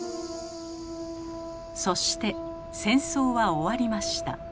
そして戦争は終わりました。